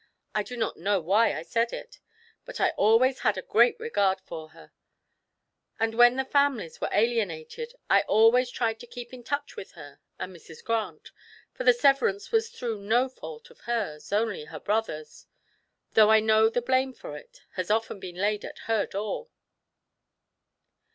I do not know why I said it. But I always had a great regard for her, and when the families were alienated I always tried to keep in touch with her and Mrs. Grant, for the severance was through no fault of hers, only her brother's though I know the blame for it has often been laid at her door."